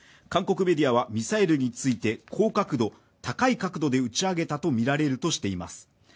韓国メディアはミサイルについて、高角度、高い角度で打ちあげたとみられるとしています。